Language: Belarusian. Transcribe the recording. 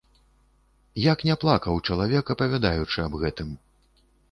Як не плакаў чалавек, апавядаючы аб гэтым!